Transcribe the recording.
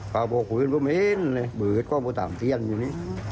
ประตูไฟพื้นมันลัน